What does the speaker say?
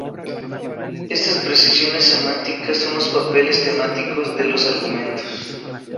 Estas precisiones semánticas son los papeles temáticos de los argumentos.